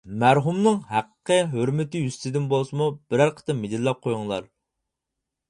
مەرھۇمنىڭ ھەققى ھۆرمىتى يۈزىسىدىن بولسىمۇ بىرەر قېتىم مىدىرلاپ قويۇڭلار.